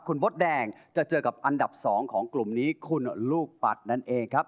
คุณมดแดงจะเจอกับอันดับ๒ของกลุ่มนี้คุณลูกปัดนั่นเองครับ